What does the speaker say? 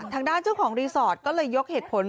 ทางด้านเจ้าของรีสอร์ทก็เลยยกเหตุผล